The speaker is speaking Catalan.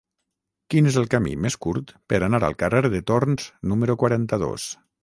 Quin és el camí més curt per anar al carrer de Torns número quaranta-dos?